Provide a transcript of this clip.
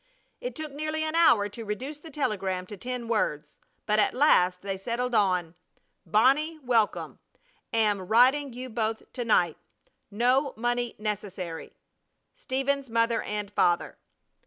It took nearly an hour to reduce the telegram to ten words, but at last they settled on: Bonnie welcome. Am writing you both to night. No money necessary. (Signed) STEPHEN'S MOTHER AND FATHER.